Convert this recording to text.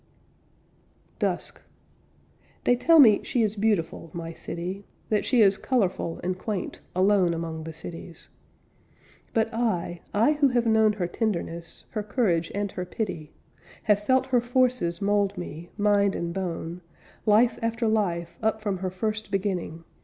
DUSK They tell me she is beautiful, my City, That she is colorful and quaint, alone Among the cities. But I, I who have known Her tenderness, her courage, and her pity, Have felt her forces mould me, mind and bone, Life after life, up from her first beginning.